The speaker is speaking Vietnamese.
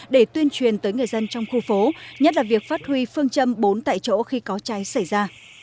để tuyên truyền tới người dân trong khu phố nhất là việc phát huy phương châm bốn tại chỗ khi có cháy xảy ra